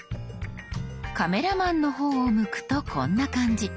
カメラマンの方を向くとこんな感じ。